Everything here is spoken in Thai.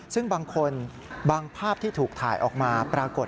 ซึ่งบางคนบางภาพที่ถูกถ่ายออกมาปรากฏ